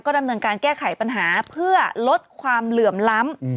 ดำเนินการแก้ไขปัญหาเพื่อลดความเหลื่อมล้ำ